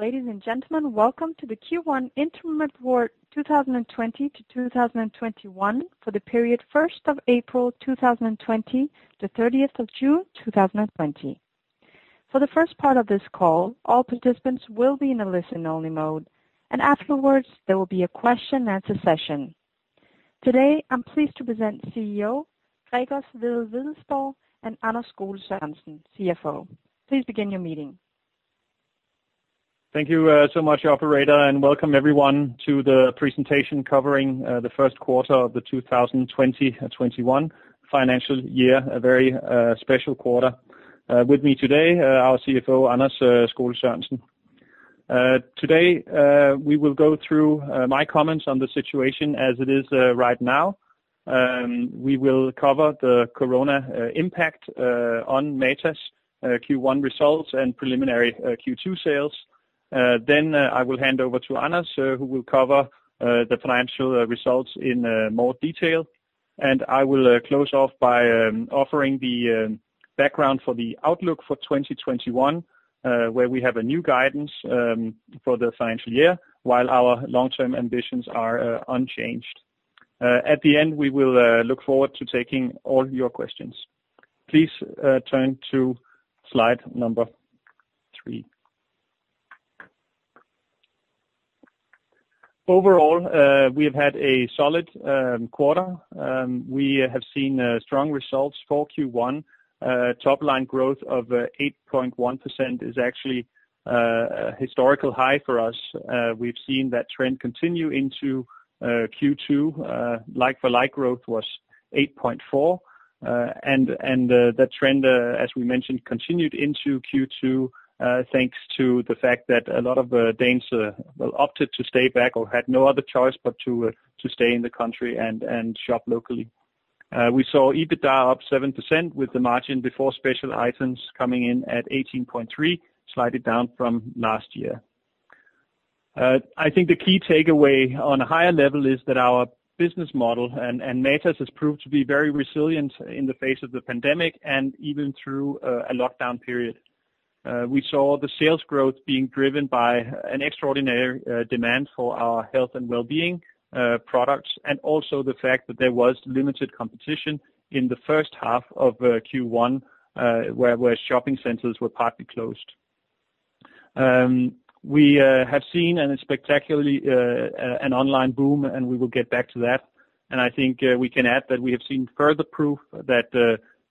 Ladies and gentlemen, welcome to the Q1 Interim Report 2020-2021 for the period April 1, 2020 to June 30th, 2020. For the first part of this call, all participants will be in a listen only mode, and afterwards, there will be a question and answer session. Today, I'm pleased to present CEO, Gregers Wedell-Wedellsborg, and Anders Skole-Sørensen, CFO. Please begin your meeting. Thank you so much, operator, welcome everyone to the presentation covering the first quarter of the 2020-21 financial year, a very special quarter. With me today, our CFO, Anders Skole-Sørensen. Today, we will go through my comments on the situation as it is right now. We will cover the corona impact on Matas' Q1 results and preliminary Q2 sales. I will hand over to Anders, who will cover the financial results in more detail. I will close off by offering the background for the outlook for 2021, where we have a new guidance for the financial year, while our long-term ambitions are unchanged. At the end, we will look forward to taking all your questions. Please turn to slide number three. Overall, we have had a solid quarter. We have seen strong results for Q1. Topline growth of 8.1% is actually a historical high for us. We've seen that trend continue into Q2. Like-for-like growth was 8.4%, and that trend, as we mentioned, continued into Q2, thanks to the fact that a lot of Danes, well, opted to stay back or had no other choice but to stay in the country and shop locally. We saw EBITDA up 7% with the margin before special items coming in at 18.3%, slightly down from last year. I think the key takeaway on a higher level is that our business model and Matas has proved to be very resilient in the face of the pandemic and even through a lockdown period. We saw the sales growth being driven by an extraordinary demand for our health and wellbeing products, and also the fact that there was limited competition in the first half of Q1, where shopping centers were partly closed. We have seen spectacularly an online boom. We will get back to that. I think we can add that we have seen further proof that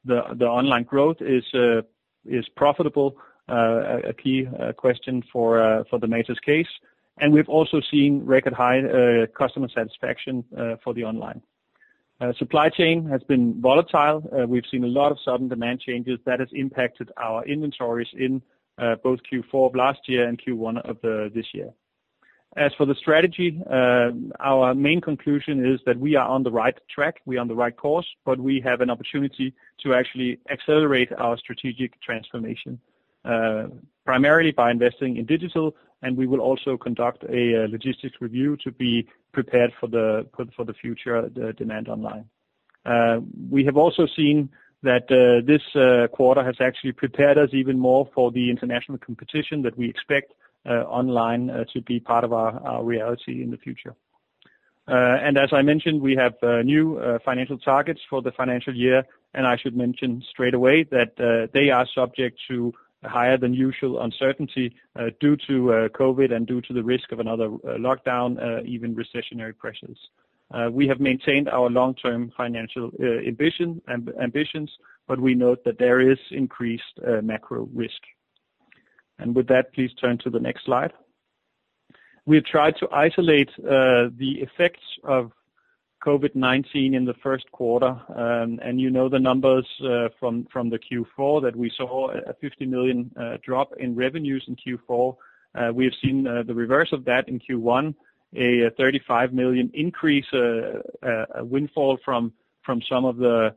the online growth is profitable, a key question for the Matas case. We've also seen record high customer satisfaction for the online. Supply chain has been volatile. We've seen a lot of sudden demand changes that has impacted our inventories in both Q4 of last year and Q1 of this year. As for the strategy, our main conclusion is that we are on the right track, we're on the right course, but we have an opportunity to actually accelerate our strategic transformation. Primarily by investing in digital, and we will also conduct a logistics review to be prepared for the future, the demand online. We have also seen that this quarter has actually prepared us even more for the international competition that we expect online to be part of our reality in the future. As I mentioned, we have new financial targets for the financial year, I should mention straight away that they are subject to higher than usual uncertainty due to COVID-19 and due to the risk of another lockdown, even recessionary pressures. We have maintained our long-term financial ambitions, we note that there is increased macro risk. With that, please turn to the next slide. We have tried to isolate the effects of COVID-19 in the first quarter, you know the numbers from the Q4 that we saw a 50 million drop in revenues in Q4. We have seen the reverse of that in Q1, a 35 million increase, a windfall from some of the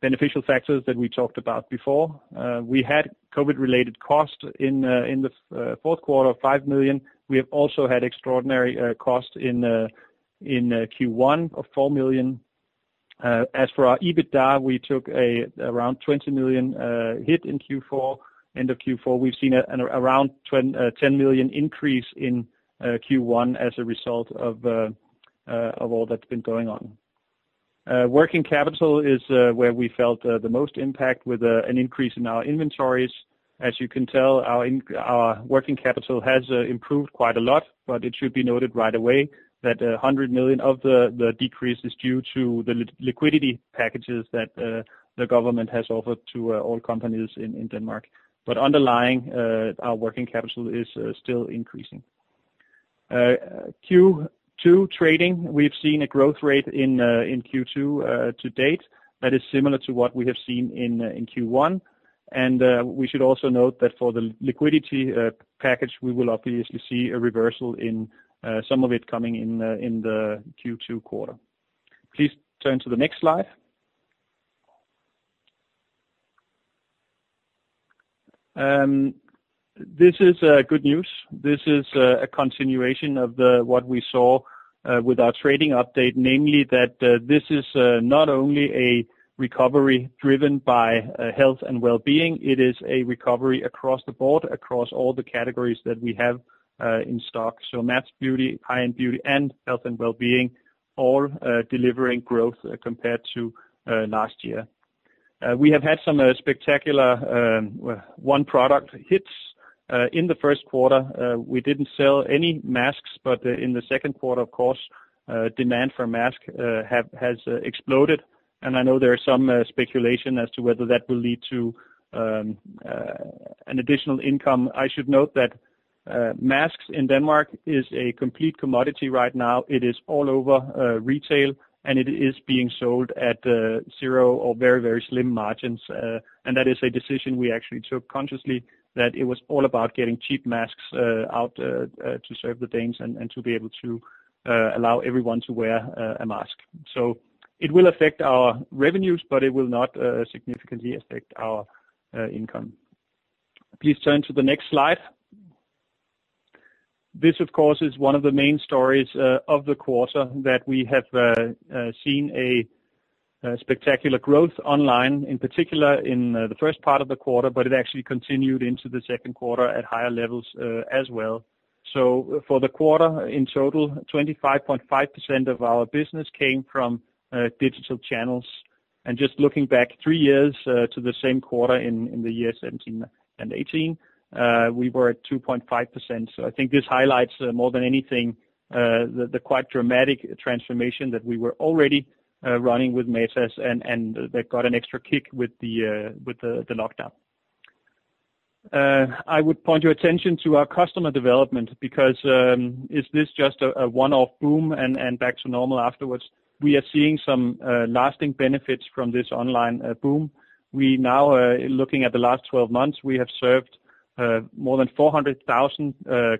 beneficial factors that we talked about before. We had COVID related costs in the fourth quarter of 5 million. We have also had extraordinary cost in Q1 of 4 million. As for our EBITDA, we took around 20 million hit in end Q4. We've seen around 10 million increase in Q1 as a result of all that's been going on. Working capital is where we felt the most impact with an increase in our inventories. As you can tell, our working capital has improved quite a lot, but it should be noted right away that 100 million of the decrease is due to the liquidity packages that the government has offered to all companies in Denmark. Underlying, our working capital is still increasing. Q2 trading, we've seen a growth rate in Q2 to date that is similar to what we have seen in Q1. We should also note that for the liquidity package, we will obviously see a reversal in some of it coming in the Q2 quarter. Please turn to the next slide. This is good news. This is a continuation of what we saw with our trading update, namely that this is not only a recovery driven by health and wellbeing, it is a recovery across the board, across all the categories that we have in stock. Matas Beauty, high-end beauty, and health and wellbeing, all delivering growth compared to last year. We have had some spectacular one-product hits in the first quarter. We didn't sell any masks, but in the second quarter, of course, demand for masks has exploded, and I know there is some speculation as to whether that will lead to an additional income. I should note that masks in Denmark is a complete commodity right now. It is all over retail, and it is being sold at zero or very, very slim margins. That is a decision we actually took consciously, that it was all about getting cheap masks out to serve the Danes and to be able to allow everyone to wear a mask. It will affect our revenues, but it will not significantly affect our income. Please turn to the next slide. This, of course, is one of the main stories of the quarter, that we have seen a spectacular growth online, in particular in the first part of the quarter, but it actually continued into the second quarter at higher levels as well. For the quarter, in total, 25.5% of our business came from digital channels. Just looking back three years to the same quarter in the year 2017 and 2018, we were at 2.5%. I think this highlights, more than anything, the quite dramatic transformation that we were already running with Matas, and that got an extra kick with the lockdown. I would point your attention to our customer development because is this just a one-off boom and back to normal afterwards? We are seeing some lasting benefits from this online boom. We now are looking at the last 12 months. We have served more than 400,000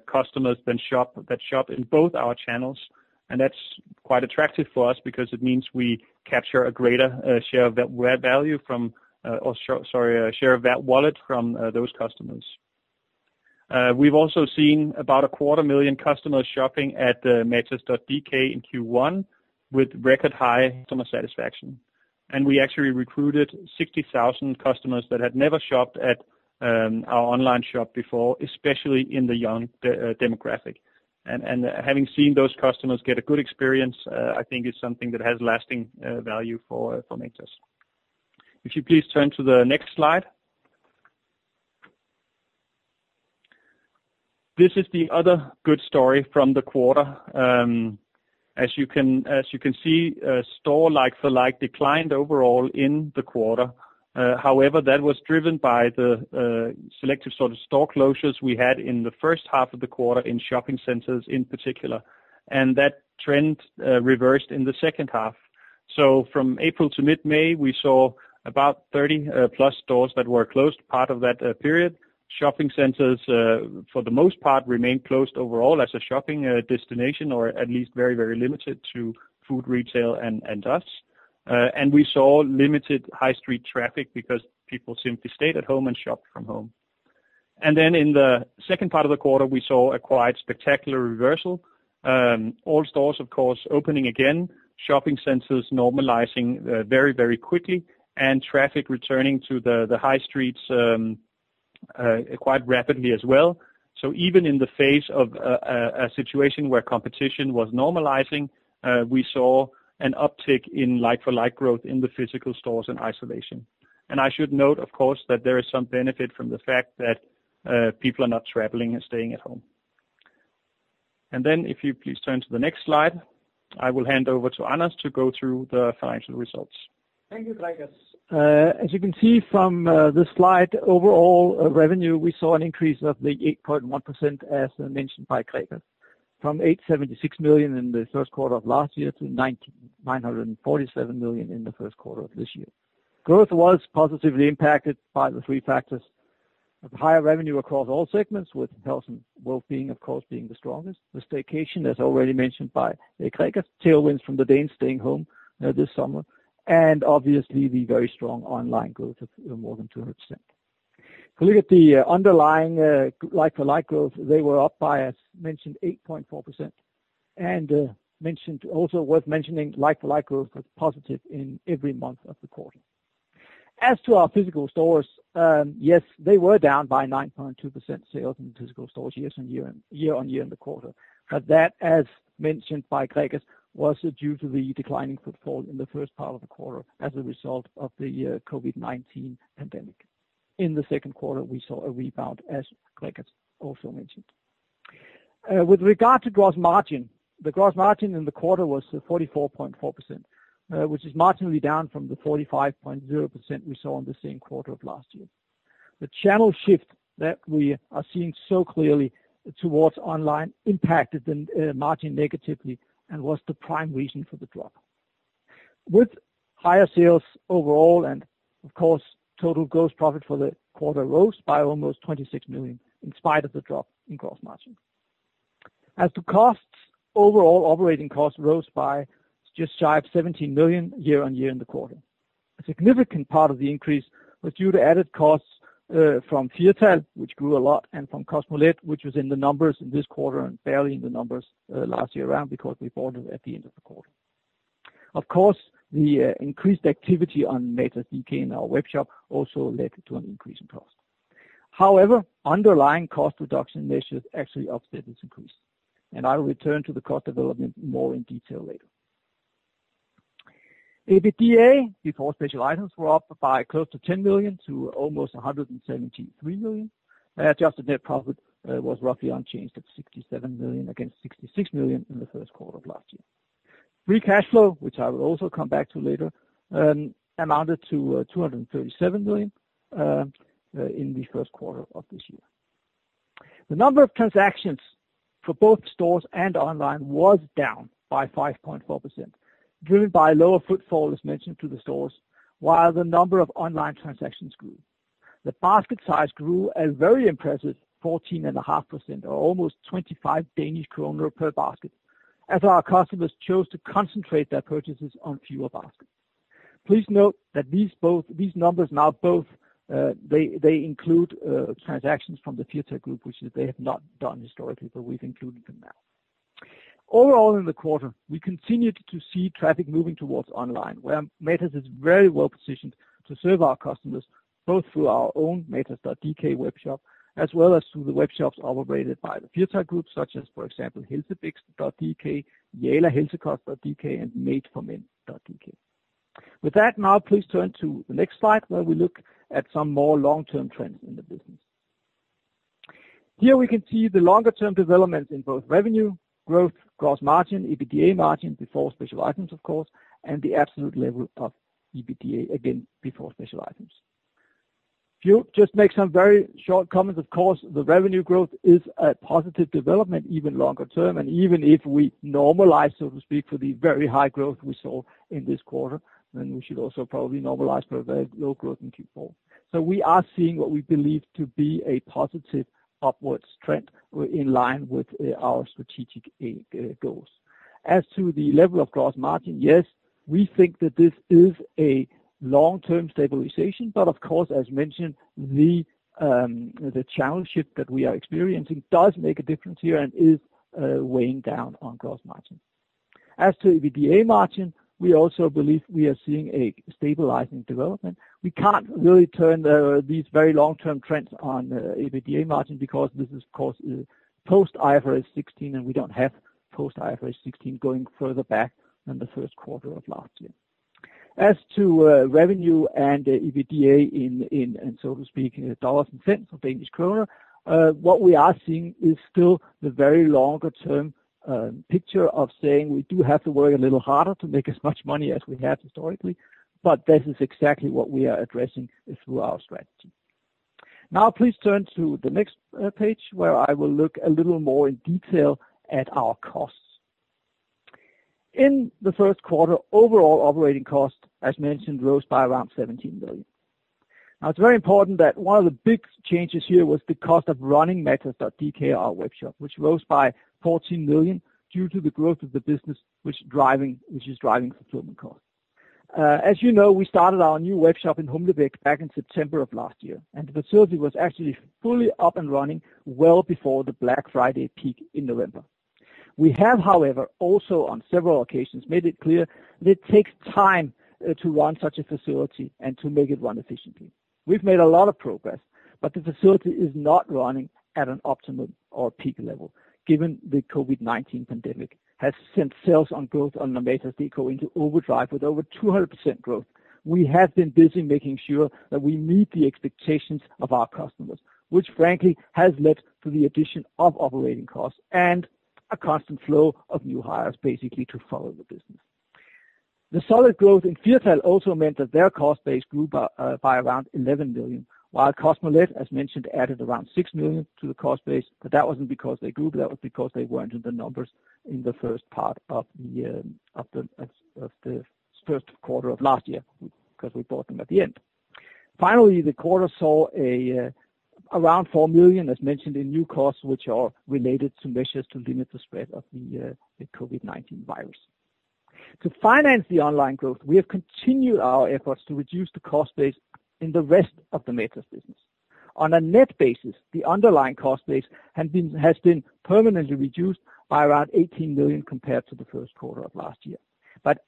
customers that shop in both our channels. That's quite attractive for us because it means we capture a greater share of that wallet from those customers. We've also seen about 250,000 customers shopping at the matas.dk in Q1 with record high customer satisfaction. We actually recruited 60,000 customers that had never shopped at our online shop before, especially in the young demographic. Having seen those customers get a good experience, I think it's something that has lasting value for Matas. If you please turn to the next slide. This is the other good story from the quarter. As you can see, store like-for-like declined overall in the quarter. That was driven by the selective sort of store closures we had in the first half of the quarter in shopping centers in particular, and that trend reversed in the second half. From April to mid-May, we saw about 30+ stores that were closed part of that period. Shopping centers, for the most part, remained closed overall as a shopping destination, or at least very, very limited to food retail and us. We saw limited high street traffic because people simply stayed at home and shopped from home. In the second part of the quarter, we saw a quite spectacular reversal. All stores, of course, opening again, shopping centers normalizing very, very quickly, and traffic returning to the high streets quite rapidly as well. Even in the face of a situation where competition was normalizing, we saw an uptick in like-for-like growth in the physical stores in isolation. I should note, of course, that there is some benefit from the fact that people are not traveling and staying at home. Then, if you please turn to the next slide, I will hand over to Anders to go through the financial results. Thank you, Gregers. As you can see from the slide, overall revenue, we saw an increase of the 8.1%, as mentioned by Gregers, from 876 million in the first quarter of last year to 947 million in the first quarter of this year. Growth was positively impacted by the three factors: higher revenue across all segments with health and wellbeing, of course, being the strongest; the staycation, as already mentioned by Gregers; tailwinds from the Danes staying home this summer; and obviously the very strong online growth of more than 200%. If you look at the underlying like-for-like growth, they were up by, as mentioned, 8.4%. Also worth mentioning, like-for-like growth was positive in every month of the quarter. As to our physical stores, yes, they were down by 9.2% sales in physical stores year-on-year in the quarter. That, as mentioned by Gregers, was due to the declining footfall in the first part of the quarter as a result of the COVID-19 pandemic. In the second quarter, we saw a rebound, as Gregers also mentioned. With regard to gross margin, the gross margin in the quarter was 44.4%, which is marginally down from the 45.0% we saw in the same quarter of last year. The channel shift that we are seeing so clearly towards online impacted the margin negatively and was the prime reason for the drop. Higher sales overall and of course, total gross profit for the quarter rose by almost 26 million in spite of the drop in gross margin. As to costs, overall operating costs rose by just shy of 17 million year-on-year in the quarter. A significant part of the increase was due to added costs from Firtal, which grew a lot, and from Kosmolet, which was in the numbers in this quarter and barely in the numbers last year around, because we bought them at the end of the quarter. Of course, the increased activity on matas.dk and our webshop also led to an increase in cost. Underlying cost reduction measures actually offset this increase, and I will return to the cost development more in detail later. EBITDA before special items were up by close to 10 million to almost 173 million. Adjusted net profit was roughly unchanged at 67 million against 66 million in the first quarter of last year. Free cash flow, which I will also come back to later, amounted to DKK 237 million in the first quarter of this year. The number of transactions for both stores and online was down by 5.4%, driven by lower footfall, as mentioned to the stores, while the number of online transactions grew. The basket size grew a very impressive 14.5%, or almost 25 Danish kroner per basket, as our customers chose to concentrate their purchases on fewer baskets. Please note that these numbers now both include transactions from the Firtal Group, which they have not done historically, but we've included them now. Overall, in the quarter, we continued to see traffic moving towards online, where Matas is very well positioned to serve our customers, both through our own matas.dk webshop, as well as through the webshops operated by the Firtal Group, such as, for example, helsebixen.dk, jala-helsekost.dk, and made4men.dk. With that, now please turn to the next slide, where we look at some more long-term trends in the business. Here we can see the longer-term developments in both revenue growth, gross margin, EBITDA margin before special items, of course, and the absolute level of EBITDA, again, before special items. If you just make some very short comments, of course, the revenue growth is a positive development, even longer term, and even if we normalize, so to speak, for the very high growth we saw in this quarter, then we should also probably normalize for the low growth in Q4. We are seeing what we believe to be a positive upwards trend in line with our strategic goals. As to the level of gross margin, yes, we think that this is a long-term stabilization. Of course, as mentioned, the challenge that we are experiencing does make a difference here and is weighing down on gross margin. As to EBITDA margin, we also believe we are seeing a stabilizing development. We can't really turn these very long-term trends on EBITDA margin because this is, of course, post IFRS 16, and we don't have post IFRS 16 going further back than the first quarter of last year. As to revenue and EBITDA in, so to speak, dollars and cents of Danish kroner, what we are seeing is still the very longer-term picture of saying we do have to work a little harder to make as much money as we have historically, but this is exactly what we are addressing through our strategy. Please turn to the next page, where I will look a little more in detail at our costs. In Q1, overall operating costs, as mentioned, rose by around 17 million. It's very important that one of the big changes here was the cost of running matas.dk, our webshop, which rose by 14 million due to the growth of the business which is driving fulfillment costs. As you know, we started our new webshop in Humlebæk back in September of last year, and the facility was actually fully up and running well before the Black Friday peak in November. We have, however, also on several occasions made it clear that it takes time to run such a facility and to make it run efficiently. We've made a lot of progress, but the facility is not running at an optimum or peak level, given the COVID-19 pandemic has sent sales on growth on matas.dk into overdrive with over 200% growth. We have been busy making sure that we meet the expectations of our customers, which frankly has led to the addition of operating costs and a constant flow of new hires, basically to follow the business. The solid growth in Firtal also meant that their cost base grew by around 11 million, while Kosmolet, as mentioned, added around 6 million to the cost base, but that wasn't because they grew, that was because they weren't in the numbers in the first part of the first quarter of last year, because we bought them at the end. The quarter saw around 4 million, as mentioned, in new costs, which are related to measures to limit the spread of the COVID-19 virus. To finance the online growth, we have continued our efforts to reduce the cost base in the rest of the Matas business. On a net basis, the underlying cost base has been permanently reduced by around 18 million compared to the first quarter of last year.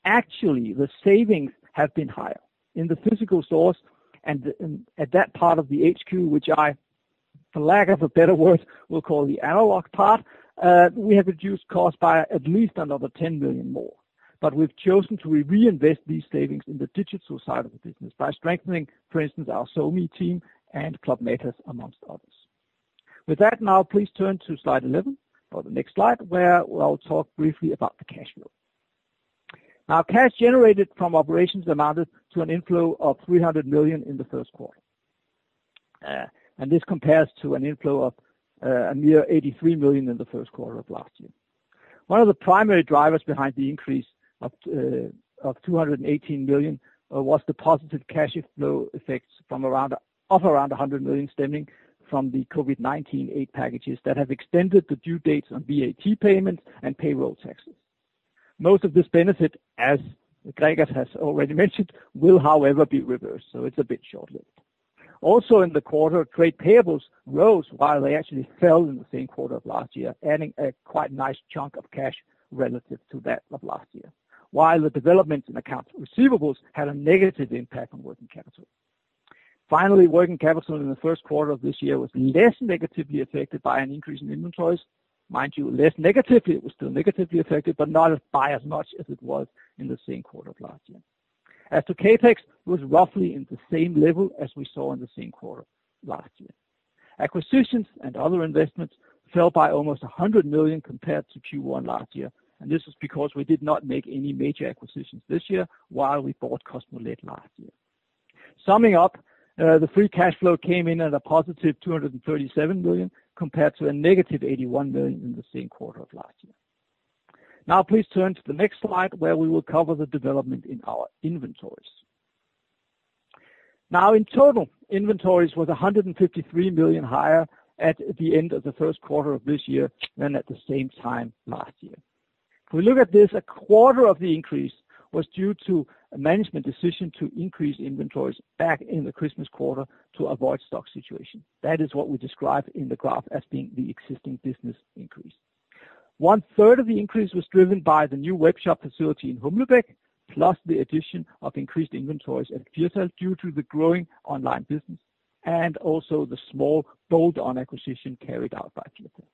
Actually, the savings have been higher. In the physical stores and at that part of the HQ, which I, for lack of a better word, will call the analog part, we have reduced costs by at least another 10 million more. We've chosen to reinvest these savings in the digital side of the business by strengthening, for instance, our [SoMe] team and Club Matas, amongst others. With that, now please turn to slide 11 or the next slide, where I'll talk briefly about the cash flow. Cash generated from operations amounted to an inflow of 300 million in the first quarter. This compares to an inflow of a mere 83 million in the first quarter of last year. One of the primary drivers behind the increase of 218 million was the positive cash flow effects of around 100 million stemming from the COVID-19 aid packages that have extended the due dates on VAT payments and payroll taxes. Most of this benefit, as Gregers has already mentioned, will however be reversed, so it's a bit short-lived. In the quarter, trade payables rose while they actually fell in the same quarter of last year, adding a quite nice chunk of cash relative to that of last year. The developments in accounts receivables had a negative impact on working capital. Finally, working capital in the first quarter of this year was less negatively affected by an increase in inventories. Mind you, less negatively. It was still negatively affected but not by as much as it was in the same quarter of last year. As to CapEx, was roughly in the same level as we saw in the same quarter last year. Acquisitions and other investments fell by almost 100 million compared to Q1 last year. This is because we did not make any major acquisitions this year while we bought Kosmolet last year. Summing up, the free cash flow came in at a positive 237 million compared to a negative 81 million in the same quarter of last year. Please turn to the next slide where we will cover the development in our inventories. In total, inventories was 153 million higher at the end of the first quarter of this year than at the same time last year. If we look at this, a quarter of the increase was due to a management decision to increase inventories back in the Christmas quarter to avoid stock situation. That is what we describe in the graph as being the existing business increase. One third of the increase was driven by the new webshop facility in Humlebæk, plus the addition of increased inventories at Firtal due to the growing online business, and also the small bolt-on acquisition carried out by Firtal.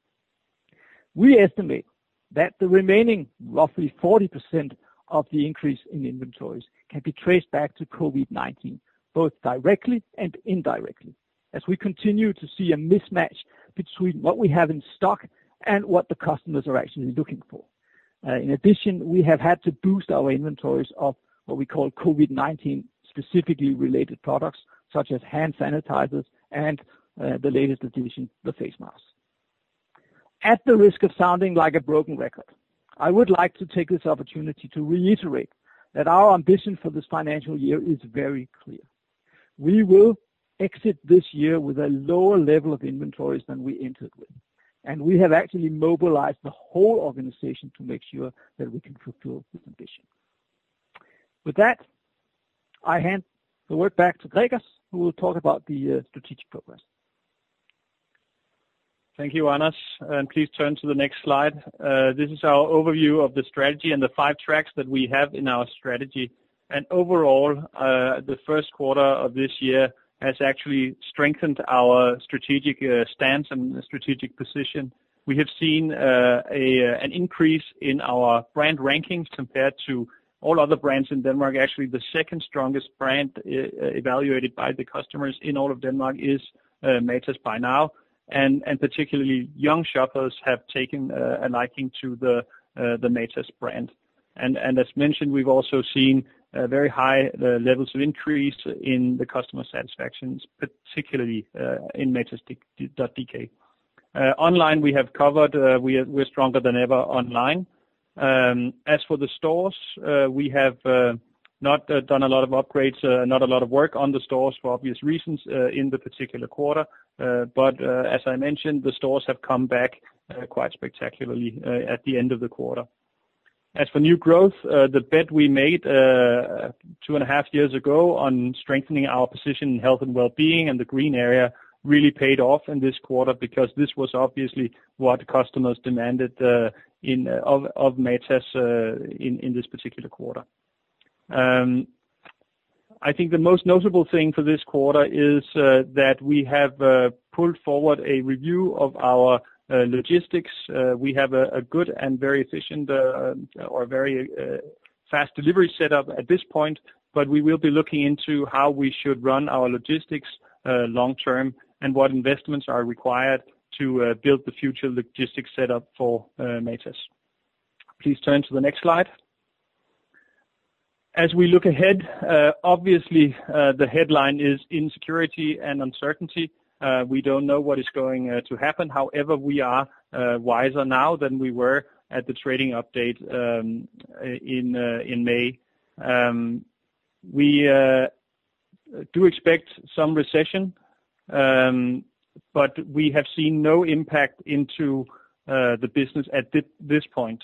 We estimate that the remaining roughly 40% of the increase in inventories can be traced back to COVID-19, both directly and indirectly, as we continue to see a mismatch between what we have in stock and what the customers are actually looking for. In addition, we have had to boost our inventories of what we call COVID-19 specifically related products such as hand sanitizers and, the latest addition, the face masks. At the risk of sounding like a broken record, I would like to take this opportunity to reiterate that our ambition for this financial year is very clear. We will exit this year with a lower level of inventories than we entered with, and we have actually mobilized the whole organization to make sure that we can fulfill this ambition. With that, I hand the word back to Gregers, who will talk about the strategic progress. Thank you, Anders. Please turn to the next slide. This is our overview of the strategy and the five tracks that we have in our strategy. Overall, the first quarter of this year has actually strengthened our strategic stance and strategic position. We have seen an increase in our brand rankings compared to all other brands in Denmark. Actually, the second strongest brand evaluated by the customers in all of Denmark is Matas by now, and particularly young shoppers have taken a liking to the Matas brand. As mentioned, we've also seen very high levels of increase in the customer satisfactions, particularly in matas.dk. Online, we're stronger than ever online. As for the stores, we have not done a lot of upgrades, not a lot of work on the stores for obvious reasons, in the particular quarter. As I mentioned, the stores have come back quite spectacularly at the end of the quarter. As for new growth, the bet we made two and a half years ago on strengthening our position in health and wellbeing and the green area really paid off in this quarter because this was obviously what customers demanded of Matas in this particular quarter. I think the most notable thing for this quarter is that we have pulled forward a review of our logistics. We have a good and very efficient or very fast delivery set up at this point, we will be looking into how we should run our logistics long term and what investments are required to build the future logistics set up for Matas. Please turn to the next slide. As we look ahead, obviously, the headline is insecurity and uncertainty. We don't know what is going to happen. However, we are wiser now than we were at the trading update in May. We do expect some recession, but we have seen no impact into the business at this point.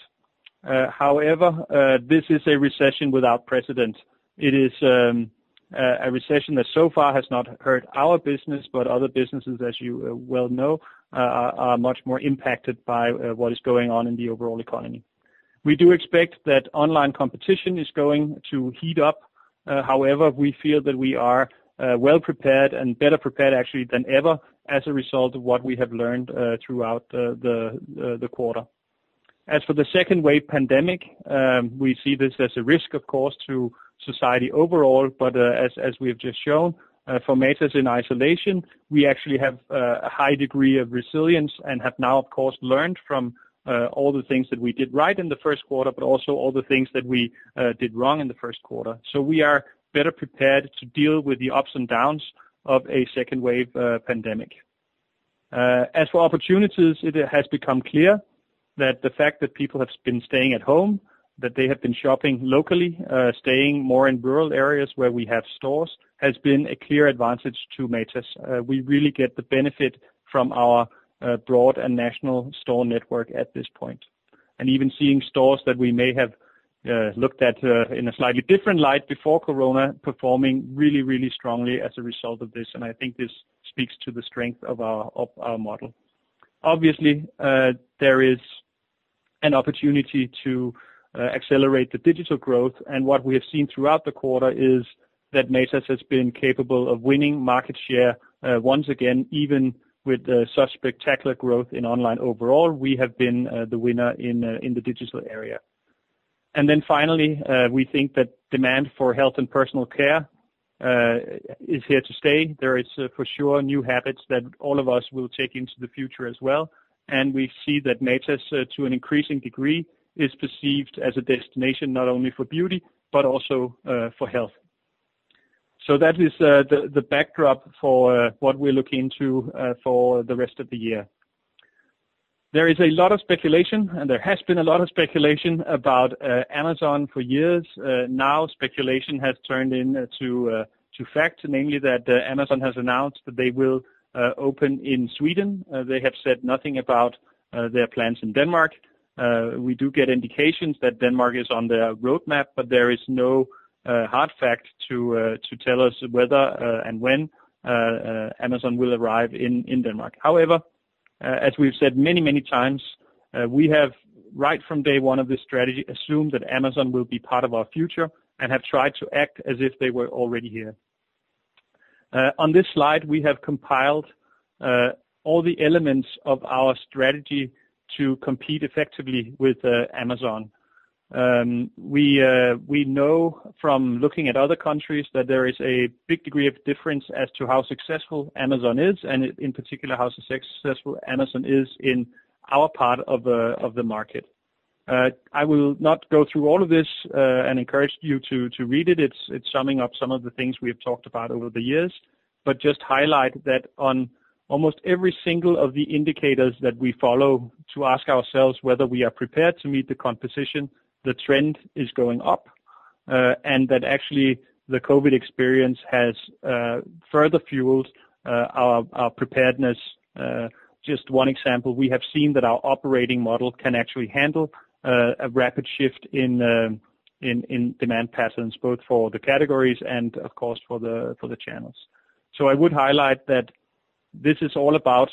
However, this is a recession without precedent. It is a recession that so far has not hurt our business, but other businesses, as you well know, are much more impacted by what is going on in the overall economy. We do expect that online competition is going to heat up. However, we feel that we are well prepared and better prepared actually than ever as a result of what we have learned throughout the quarter. As for the second wave pandemic, we see this as a risk, of course, to society overall. As we have just shown, for Matas in isolation, we actually have a high degree of resilience and have now, of course, learned from all the things that we did right in the first quarter, but also all the things that we did wrong in the first quarter. So we are better prepared to deal with the ups and downs of a second wave pandemic. As for opportunities, it has become clear that the fact that people have been staying at home, that they have been shopping locally, staying more in rural areas where we have stores, has been a clear advantage to Matas. We really get the benefit from our broad and national store network at this point. Even seeing stores that we may have looked at in a slightly different light before Corona, performing really strongly as a result of this, and I think this speaks to the strength of our model. Obviously, there is an opportunity to accelerate the digital growth, and what we have seen throughout the quarter is that Matas has been capable of winning market share once again, even with such spectacular growth in online overall. We have been the winner in the digital area. Finally, we think that demand for health and personal care is here to stay. There is, for sure, new habits that all of us will take into the future as well, and we see that Matas, to an increasing degree, is perceived as a destination not only for beauty but also for health. That is the backdrop for what we're looking to for the rest of the year. There is a lot of speculation, and there has been a lot of speculation about Amazon for years. Speculation has turned into fact, namely that Amazon has announced that they will open in Sweden. They have said nothing about their plans in Denmark. We do get indications that Denmark is on their roadmap, but there is no hard fact to tell us whether and when Amazon will arrive in Denmark. However, as we've said many times, we have, right from day one of this strategy, assumed that Amazon will be part of our future and have tried to act as if they were already here. On this slide, we have compiled all the elements of our strategy to compete effectively with Amazon. We know from looking at other countries that there is a big degree of difference as to how successful Amazon is, and in particular, how successful Amazon is in our part of the market. I will not go through all of this and encourage you to read it. It's summing up some of the things we have talked about over the years. Just highlight that on almost every single of the indicators that we follow to ask ourselves whether we are prepared to meet the competition, the trend is going up, and that actually, the COVID experience has further fueled our preparedness. Just one example, we have seen that our operating model can actually handle a rapid shift in demand patterns, both for the categories and, of course, for the channels. I would highlight that this is all about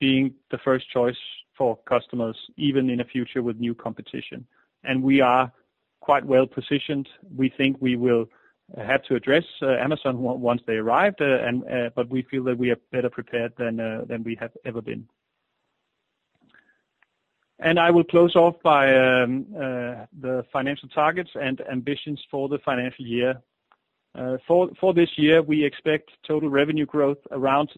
being the first choice for customers, even in a future with new competition. We are quite well-positioned. We think we will have to address Amazon once they arrive, but we feel that we are better prepared than we have ever been. I will close off by the financial targets and ambitions for the financial year. For this year, we expect total revenue growth around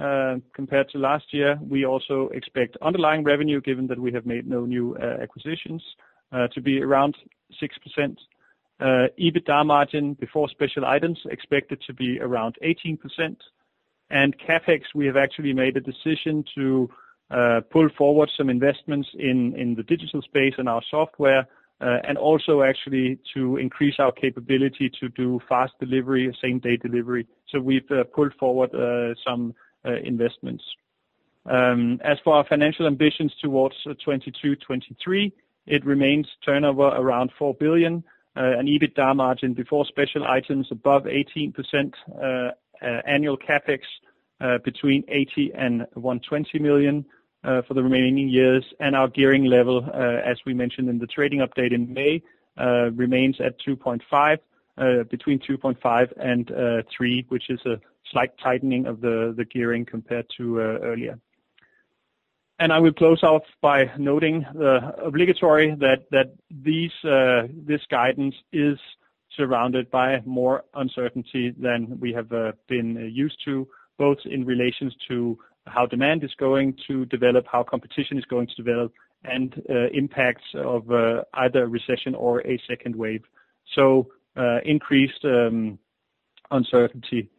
6% compared to last year. We also expect underlying revenue, given that we have made no new acquisitions, to be around 6%. EBITDA margin before special items expected to be around 18%. CapEx, we have actually made a decision to pull forward some investments in the digital space in our software, and also actually to increase our capability to do fast delivery, same-day delivery. We've pulled forward some investments. As for our financial ambitions towards 2022-2023, it remains turnover around 4 billion, an EBITDA margin before special items above 18%, annual CapEx between 80 million and 120 million for the remaining years. Our gearing level, as we mentioned in the trading update in May, remains between 2.5 and 3, which is a slight tightening of the gearing compared to earlier. I will close off by noting obligatory that this guidance is surrounded by more uncertainty than we have been used to, both in relations to how demand is going to develop, how competition is going to develop, and impacts of either recession or a second wave. Increased uncertainty.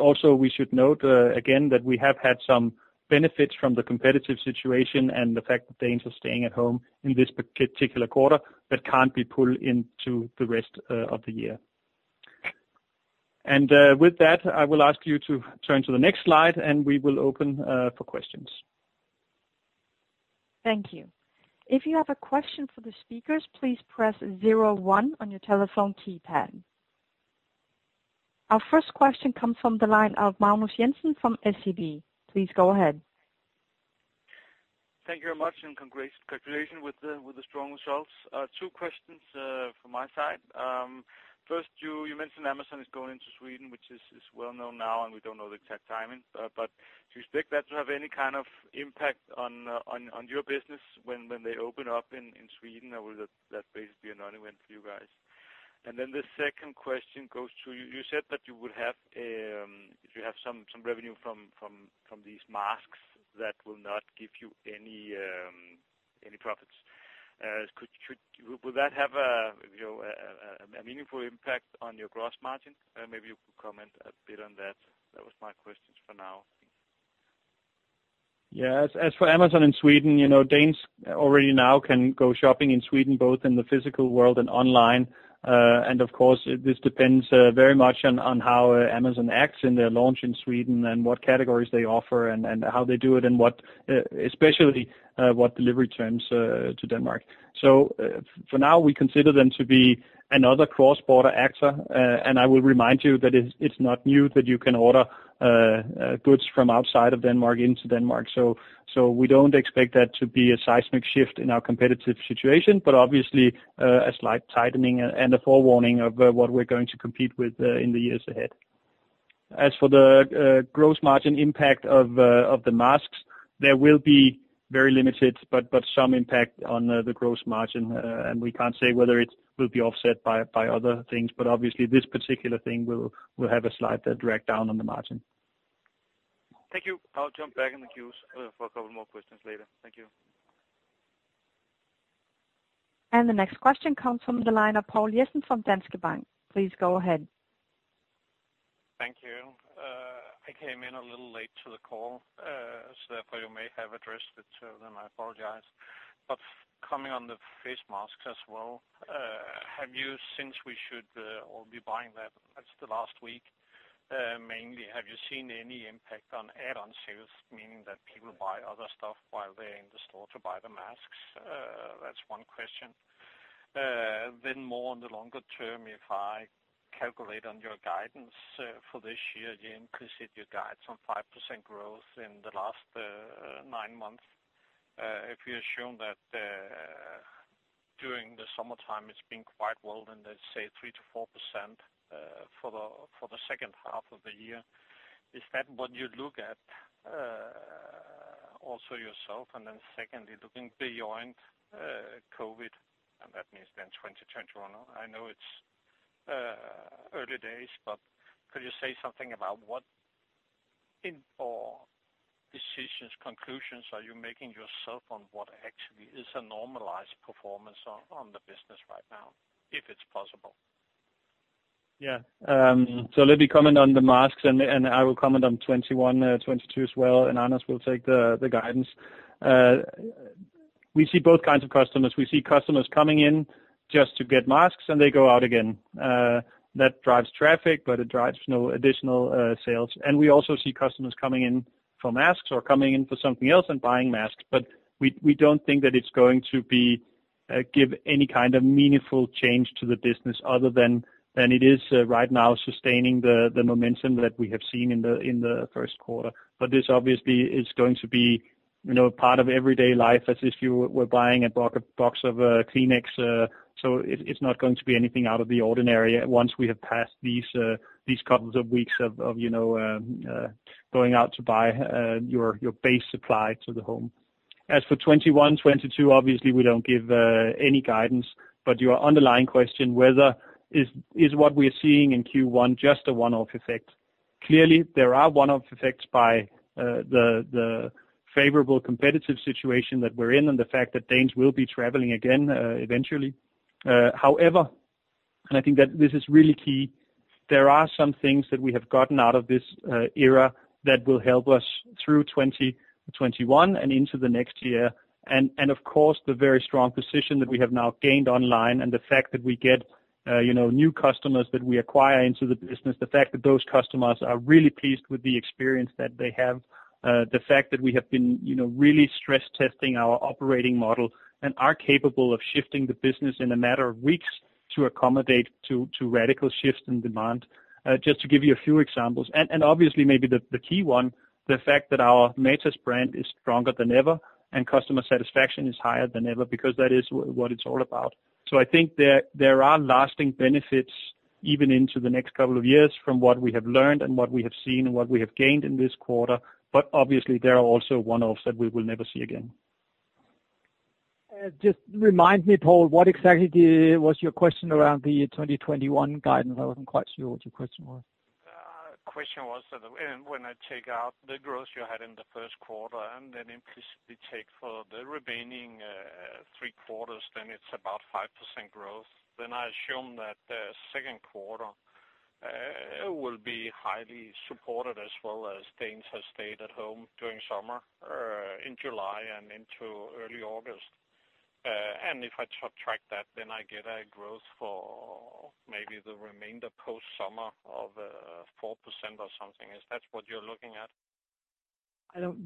Also, we should note again that we have had some benefits from the competitive situation and the fact that Danes are staying at home in this particular quarter, that can't be pulled into the rest of the year. With that, I will ask you to turn to the next slide, and we will open for questions. Thank you. If you have a question for the speakers, please press zero one on your telephone keypad. Our first question comes from the line of Magnus Jensen from SEB. Please go ahead. Thank you very much, and congratulations with the strong results. Two questions from my side. First, you mentioned Amazon is going into Sweden, which is well known now, and we don't know the exact timing. Do you expect that to have any kind of impact on your business when they open up in Sweden, or will that basically be a non-event for you guys? The second question goes to, you said that you would have some revenue from these masks that will not give you any profits. Will that have a meaningful impact on your gross margin? Maybe you could comment a bit on that. That was my questions for now. Thank you. Yes. As for Amazon in Sweden, Danes already now can go shopping in Sweden, both in the physical world and online. Of course, this depends very much on how Amazon acts in their launch in Sweden and what categories they offer and how they do it, and especially, what delivery terms to Denmark. For now, we consider them to be another cross-border actor. I will remind you that it's not new that you can order goods from outside of Denmark into Denmark. We don't expect that to be a seismic shift in our competitive situation, but obviously, a slight tightening and a forewarning of what we're going to compete with in the years ahead. As for the gross margin impact of the masks, there will be very limited, but some impact on the gross margin. We can't say whether it will be offset by other things. Obviously, this particular thing will have a slight drag down on the margin. Thank you. I'll jump back in the queues for a couple more questions later. Thank you. The next question comes from the line of Poul Jessen from Danske Bank. Please go ahead. Thank you. I came in a little late to the call, therefore you may have addressed it to them, I apologize. Coming on the face masks as well, have you, since we should all be buying that as the last week, mainly, have you seen any impact on add-on sales, meaning that people buy other stuff while they're in the store to buy the masks? That's one question. More on the longer term, if I calculate on your guidance for this year, you increased your guides on 5% growth in the last nine months. If you assume that during the summertime, it's been quite well, let's say 3%-4% for the second half of the year. Is that what you look at also yourself? Secondly, looking beyond COVID, that means 2021. I know it's early days, but could you say something about what decisions, conclusions are you making yourself on what actually is a normalized performance on the business right now, if it's possible? Yeah. Let me comment on the masks. I will comment on 2021-2022 as well. Anders will take the guidance. We see both kinds of customers. We see customers coming in just to get masks, and they go out again. That drives traffic, but it drives no additional sales. We also see customers coming in for masks or coming in for something else and buying masks. We don't think that it's going to give any kind of meaningful change to the business other than it is right now sustaining the momentum that we have seen in the first quarter. This obviously is going to be part of everyday life as if you were buying a box of Kleenex. It's not going to be anything out of the ordinary once we have passed these couples of weeks of going out to buy your base supply to the home. As for 2021-2022, obviously, we don't give any guidance, but your underlying question whether is what we are seeing in Q1 just a one-off effect? Clearly, there are one-off effects by the favorable competitive situation that we're in, and the fact that Danes will be traveling again eventually. However, and I think that this is really key, there are some things that we have gotten out of this era that will help us through 2021 and into the next year. Of course, the very strong position that we have now gained online and the fact that we get new customers that we acquire into the business, the fact that those customers are really pleased with the experience that they have. The fact that we have been really stress-testing our operating model and are capable of shifting the business in a matter of weeks to accommodate to radical shifts in demand, just to give you a few examples. Obviously, maybe the key one, the fact that our Matas brand is stronger than ever, and customer satisfaction is higher than ever because that is what it's all about. I think there are lasting benefits even into the next couple of years from what we have learned and what we have seen and what we have gained in this quarter. Obviously, there are also one-offs that we will never see again. Just remind me, Poul, what exactly was your question around the 2021 guidance? I wasn't quite sure what your question was. Question was that when I take out the growth you had in the first quarter, and then implicitly take for the remaining three quarters, then it's about 5% growth. I assume that the second quarter will be highly supported as well as Danes have stayed at home during summer, in July and into early August. If I subtract that, then I get a growth for maybe the remainder post-summer of 4% or something. Is that what you're looking at?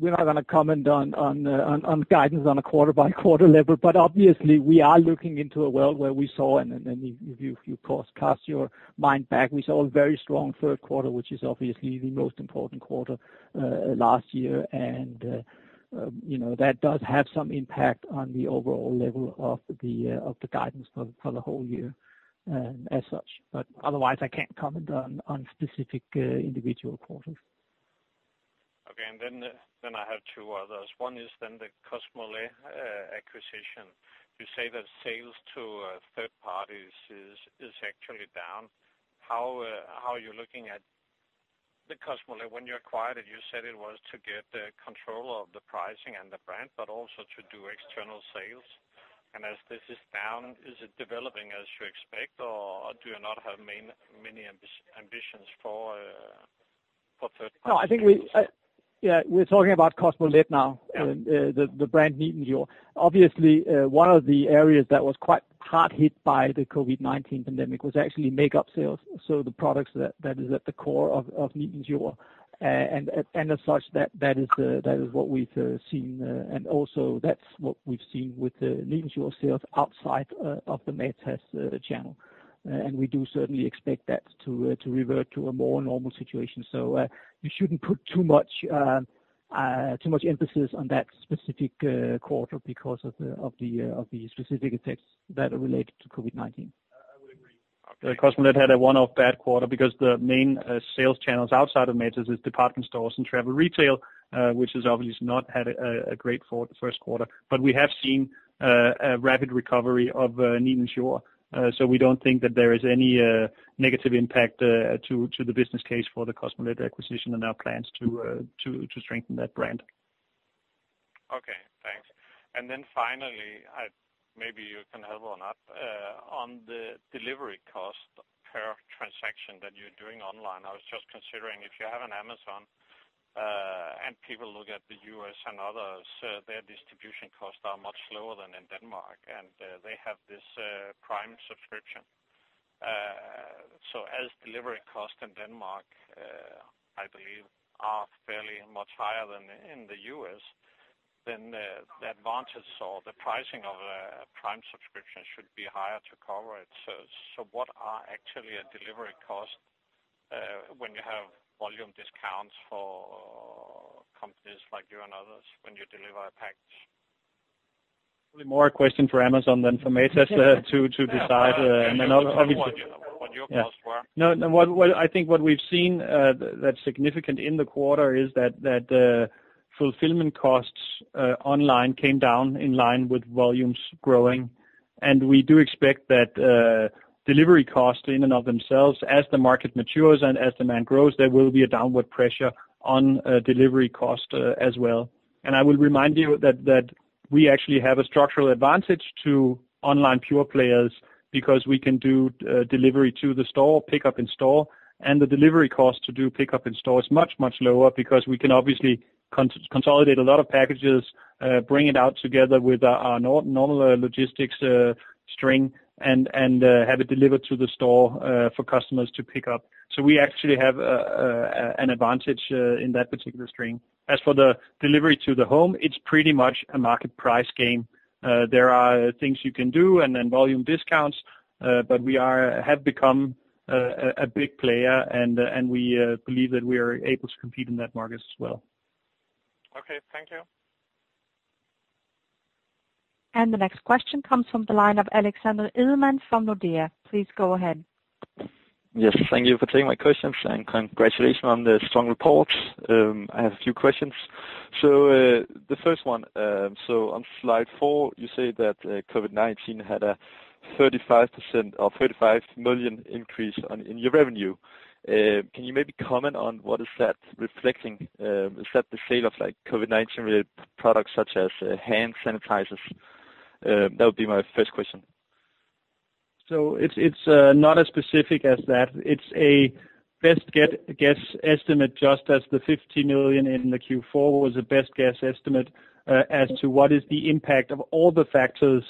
We're not going to comment on guidance on a quarter-by-quarter level. Obviously, we are looking into a world where we saw, and if you of course cast your mind back, we saw a very strong third quarter, which is obviously the most important quarter, last year. That does have some impact on the overall level of the guidance for the whole year as such. Otherwise, I can't comment on specific individual quarters. Okay. I have two others. One is then the Kosmolet acquisition. You say that sales to third parties is actually down. How are you looking at Kosmolet? When you acquired it, you said it was to get the control of the pricing and the brand, but also to do external sales. As this is down, is it developing as you expect, or do you not have many ambitions for third party? No, I think we're talking about Kosmolet now. Yeah. The brand Nilens Jord. Obviously, one of the areas that was quite hard hit by the COVID-19 pandemic was actually makeup sales. The products that is at the core of Nilens Jord, and as such, that is what we've seen, and also that's what we've seen with the Nilens Jord sales outside of the Matas channel. We do certainly expect that to revert to a more normal situation. You shouldn't put too much emphasis on that specific quarter because of the specific effects that are related to COVID-19. I would agree. Kosmolet had a one-off bad quarter because the main sales channels outside of Matas is department stores and travel retail, which has obviously not had a great first quarter. We have seen a rapid recovery of Nilens Jord. We don't think that there is any negative impact to the business case for the Kosmolet acquisition and our plans to strengthen that brand. Okay, thanks. Then finally, maybe you can help on the delivery cost per transaction that you're doing online. I was just considering if you have an Amazon, and people look at the U.S. and others, their distribution costs are much lower than in Denmark, and they have this Prime subscription. As delivery costs in Denmark, I believe, are fairly much higher than in the U.S., then the advantage or the pricing of a Prime subscription should be higher to cover it. What are actually a delivery cost when you have volume discounts for companies like you and others when you deliver a package? More a question for Amazon than for Matas to decide. What your costs were. I think what we've seen that's significant in the quarter is that fulfillment costs online came down in line with volumes growing. We do expect that delivery costs in and of themselves, as the market matures and as demand grows, there will be a downward pressure on delivery cost as well. I will remind you that we actually have a structural advantage to online pure players because we can do delivery to the store, pickup in-store. And the delivery cost to do pickup in store is much, much lower because we can obviously consolidate a lot of packages, bring it out together with our normal logistics string, and have it delivered to the store for customers to pick up. We actually have an advantage in that particular stream. As for the delivery to the home, it's pretty much a market price game. There are things you can do and then volume discounts. We have become a big player, and we believe that we are able to compete in that market as well. Okay, thank you. The next question comes from the line of Aleksander Edemann from Nordea. Please go ahead. Yes, thank you for taking my questions and congratulations on the strong reports. I have a few questions. The first one, on slide four, you say that COVID-19 had a 35% or 35 million increase in your revenue. Can you maybe comment on what is that reflecting? Is that the sale of COVID-19 related products such as hand sanitizers? That would be my first question. It's not as specific as that. It's a best guess estimate, just as the 15 million in the Q4 was a best guess estimate as to what is the impact of all the factors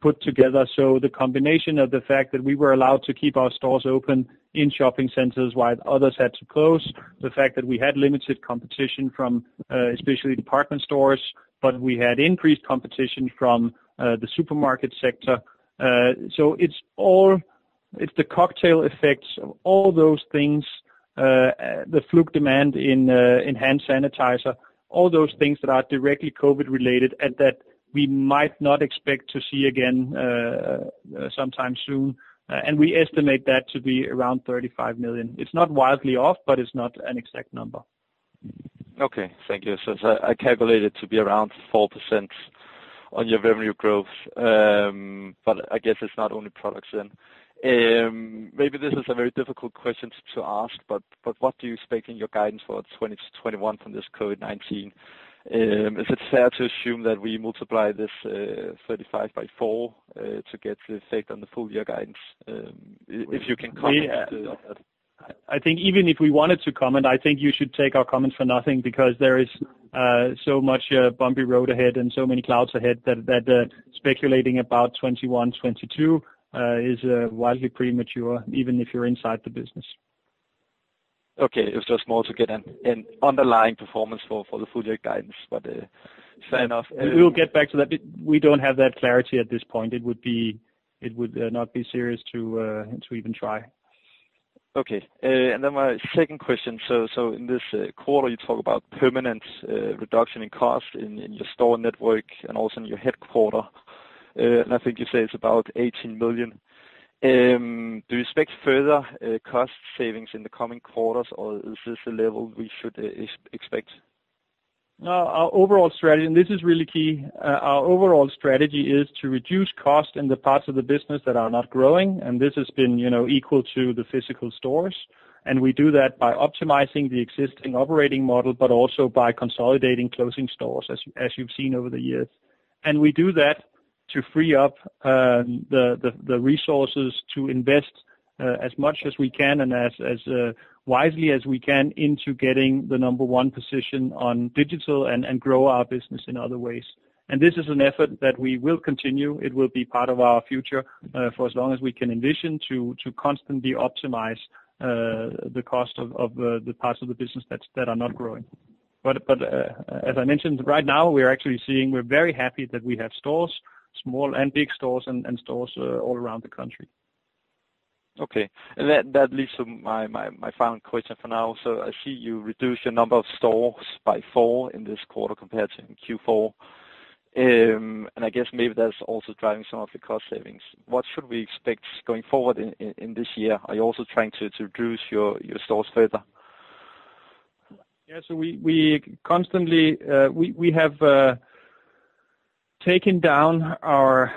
put together. The combination of the fact that we were allowed to keep our stores open in shopping centers while others had to close, the fact that we had limited competition from especially department stores, but we had increased competition from the supermarket sector. It's the cocktail effects of all those things, the fluke demand in hand sanitizer, all those things that are directly COVID-19 related and that we might not expect to see again sometime soon. We estimate that to be around 35 million. It's not wildly off, but it's not an exact number. Okay. Thank you. I calculate it to be around 4% on your revenue growth, but I guess it's not only products then. Maybe this is a very difficult question to ask, but what do you expect in your guidance for 2021 from this COVID-19? Is it fair to assume that we multiply this 35 by four to get the effect on the full year guidance? If you can comment. I think even if we wanted to comment, I think you should take our comments for nothing because there is so much bumpy road ahead and so many clouds ahead that speculating about 2021-2022 is wildly premature, even if you're inside the business. Okay. It was just more to get an underlying performance for the full year guidance. Fair enough. We will get back to that. We don't have that clarity at this point. It would not be serious to even try. Okay. My second question. In this quarter you talk about permanent reduction in cost in your store network and also in your headquarters. I think you say it's about 18 million. Do you expect further cost savings in the coming quarters, or is this the level we should expect? No, our overall strategy, and this is really key, our overall strategy is to reduce cost in the parts of the business that are not growing, and this has been equal to the physical stores. We do that by optimizing the existing operating model, but also by consolidating closing stores, as you've seen over the years. We do that to free up the resources to invest as much as we can and as wisely as we can into getting the number one position on digital and grow our business in other ways. This is an effort that we will continue. It will be part of our future for as long as we can envision to constantly optimize the cost of the parts of the business that are not growing. As I mentioned, right now we're very happy that we have stores, small and big stores and stores all around the country. Okay. That leads to my final question for now. I see you reduced your number of stores by four in this quarter compared to in Q4. I guess maybe that's also driving some of the cost savings. What should we expect going forward in this year? Are you also trying to reduce your stores further? Yeah. We have taken down our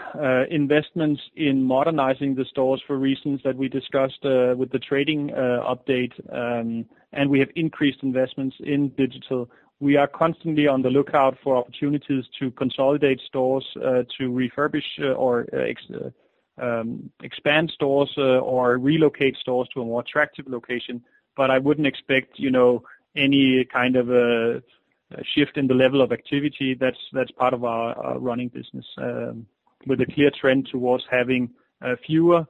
investments in modernizing the stores for reasons that we discussed with the trading update, and we have increased investments in digital. We are constantly on the lookout for opportunities to consolidate stores to refurbish or expand stores or relocate stores to a more attractive location. I wouldn't expect any kind of a shift in the level of activity that's part of our running business with a clear trend towards having fewer,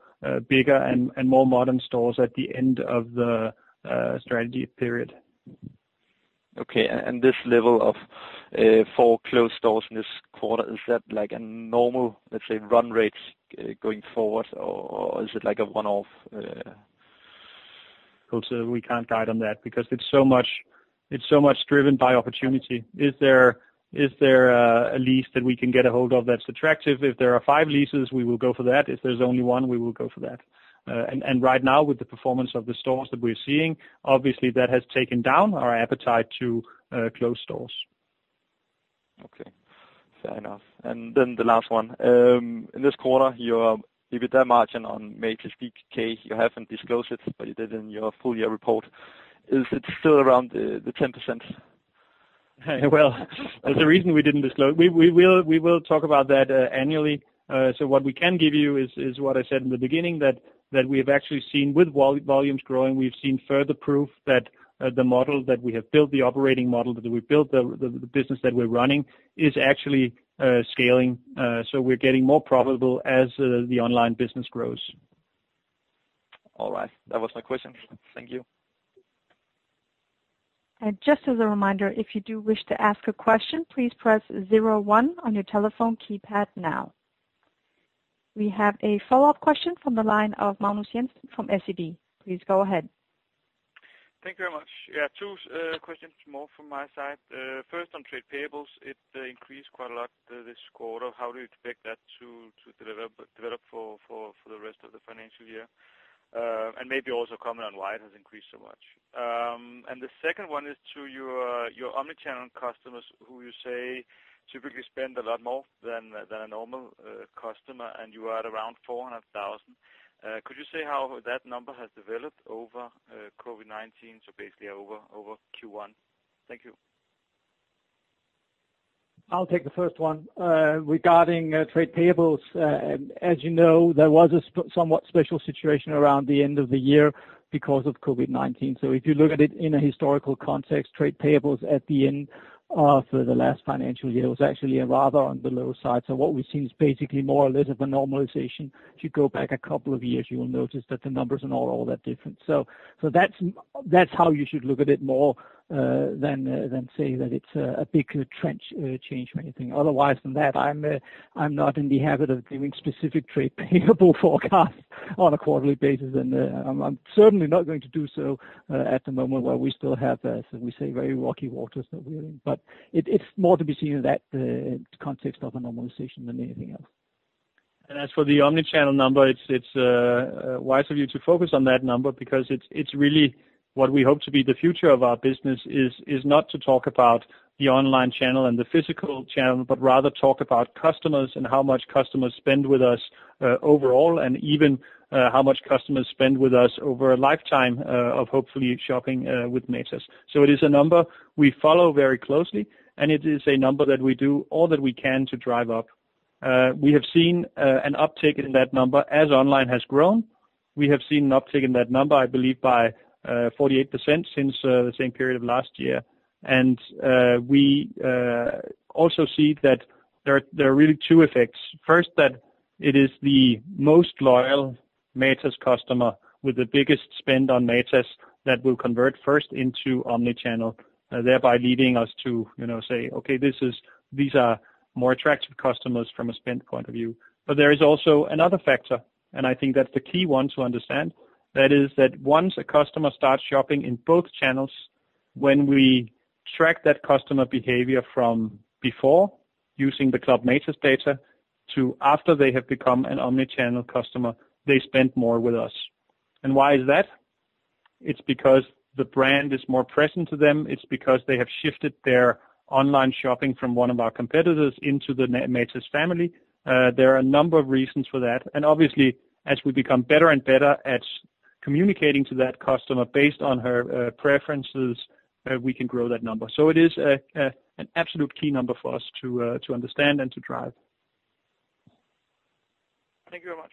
bigger, and more modern stores at the end of the strategy period. Okay. This level of four closed stores in this quarter, is that like a normal, let's say, run rate going forward, or is it like a one-off? We can't guide on that because it's so much driven by opportunity. Is there a lease that we can get a hold of that's attractive? If there are five leases, we will go for that. If there's only one, we will go for that. Right now with the performance of the stores that we're seeing, obviously that has taken down our appetite to close stores. Okay. Fair enough. The last one. In this quarter, your EBITDA margin on matas.dk, you haven't disclosed it, but you did in your full year report. Is it still around the 10%? Well, there's a reason we didn't disclose. We will talk about that annually. What we can give you is what I said in the beginning that we have actually seen with volumes growing, we've seen further proof that the model that we have built, the operating model that we built, the business that we're running is actually scaling. We're getting more profitable as the online business grows. All right. That was my question. Thank you. Just as a reminder, if you do wish to ask a question, please press zero one on your telephone keypad now. We have a follow-up question from the line of Magnus Jensen from SEB. Please go ahead. Thank you very much. Yeah, two questions more from my side. First on trade payables, it increased quite a lot this quarter. How do you expect that to develop for the rest of the financial year? Maybe also comment on why it has increased so much. The second one is to your omni-channel customers who you say typically spend a lot more than a normal customer, and you are at around 400,000. Could you say how that number has developed over COVID-19, so basically over Q1? Thank you. I'll take the first one. Regarding trade payables, as you know, there was a somewhat special situation around the end of the year because of COVID-19. If you look at it in a historical context, trade payables at the end of the last financial year was actually rather on the low side. What we've seen is basically more or less of a normalization. If you go back a couple of years, you will notice that the numbers are not all that different. That's how you should look at it more than say that it's a big trend change or anything. Otherwise than that, I'm not in the habit of giving specific trade payable forecasts on a quarterly basis. I'm certainly not going to do so at the moment while we still have, as we say, very rocky waters that we're in. It's more to be seen in that context of a normalization than anything else. As for the omni-channel number, it's wise of you to focus on that number because it's really what we hope to be the future of our business is not to talk about the online channel and the physical channel, but rather talk about customers and how much customers spend with us overall, and even how much customers spend with us over a lifetime of hopefully shopping with Matas. It is a number we follow very closely, and it is a number that we do all that we can to drive up. We have seen an uptick in that number as online has grown. We have seen an uptick in that number, I believe, by 48% since the same period of last year. We also see that there are really two effects. First, that it is the most loyal Matas customer with the biggest spend on Matas that will convert first into omni-channel, thereby leading us to say, "Okay, these are more attractive customers from a spend point of view." There is also another factor, and I think that's the key one to understand. That is that once a customer starts shopping in both channels, when we track that customer behavior from before using the Club Matas data to after they have become an omni-channel customer, they spend more with us. Why is that? It's because the brand is more present to them. It's because they have shifted their online shopping from one of our competitors into the Matas family. There are a number of reasons for that. Obviously, as we become better and better at communicating to that customer based on her preferences, we can grow that number. It is an absolute key number for us to understand and to drive. Thank you very much.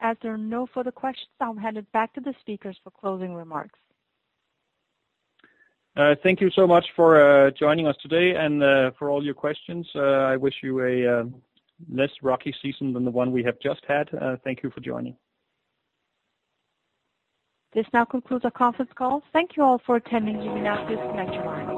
As there are no further questions, I'll hand it back to the speakers for closing remarks. Thank you so much for joining us today and for all your questions. I wish you a less rocky season than the one we have just had. Thank you for joining. This now concludes our conference call. Thank you all for attending. You may now disconnect your line.